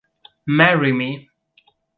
Marry Me!